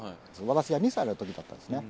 私が２歳の時だったんですね。